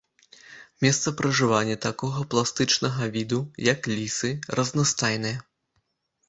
Месцапражыванні такога пластычнага віду, як лісы, разнастайныя.